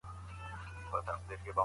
پټ خیرات غوره دی.